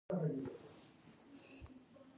غالۍ پاک ساتل ضروري دي.